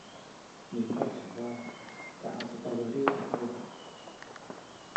หญิงบอกฉันว่าจะเอาสตรอว์เบอร์รี่มาเพิ่ม